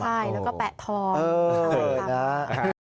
ใช่แล้วก็แปะทอง